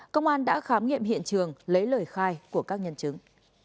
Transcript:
công an đã khám nghiệm hiện trường lấy lời khai của các nhân chứng